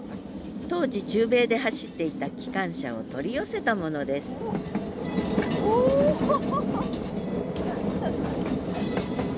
当時中米で走っていた機関車を取り寄せたものですおホホホッ。